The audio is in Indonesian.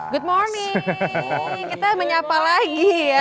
good morning kita menyapa lagi ya